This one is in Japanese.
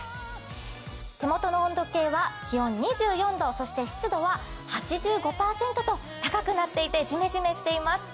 手元の温度計は気温２４度、湿度は８５％と高くなっていて、じめじめしています。